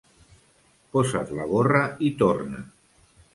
Posa't la gorra i torna.